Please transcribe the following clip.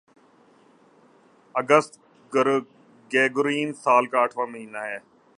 اگست Gregorian سال کا آٹھواں مہینہ ہے